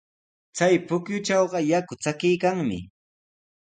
Chay pukyutrawqa yaku chakiykanmi.